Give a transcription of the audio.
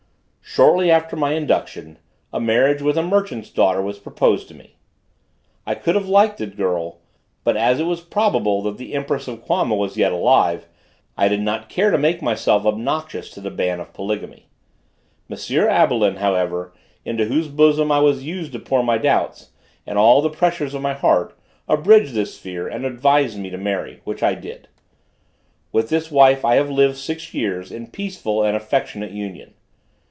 Shortly after my induction, a marriage with a merchant's daughter was proposed to me. I could have liked the girl, but as it was probable that the empress of Quama was yet alive, I did not care to make myself obnoxious to the ban of polygamy. M. Abelin, however, into whose bosom I was used to pour my doubts, and all the pressures of my heart, abridged this fear, and advised me to marry; which I did. With this wife I have lived six years in peaceful and affectionate union.